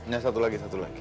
yang satu lagi satu lagi